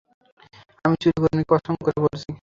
আমরা চুরি করিনি, কসম করে বলছি।